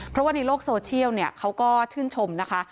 เพราะว่าในโลกโซเชียลเขาก็ชื่นชมนะคะ